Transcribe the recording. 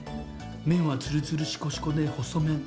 麺はつるつる、しこしこで細麺。